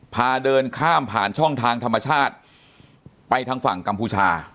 พาเดินข้ามผ่านช่องทางธรรมชาติไปทางฝั่งกัมพูชา